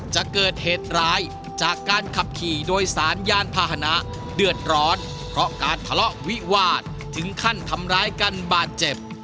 จะเกิดเหตุร้ายจากการขับขี่โดยสารยานพาหนะเดือดร้อนเพราะการทะเลาะวิวาดถึงขั้นทำร้ายกันบาดเจ็บ